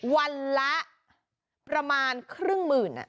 วันละประมาณครึ่งหมื่น